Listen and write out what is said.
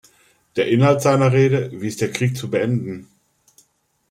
Der Inhalt seiner Rede „Wie ist der Krieg zu beenden?